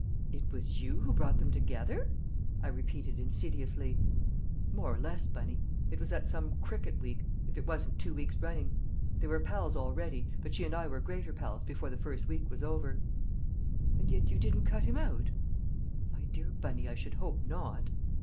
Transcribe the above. "It was you who brought them together?" I repeated insidiously. "More or less, Bunny. It was at some cricket week, if it wasn't two weeks running; they were pals already, but she and I were greater pals before the first week was over." "And yet you didn't cut him out!" "My dear Bunny, I should hope not."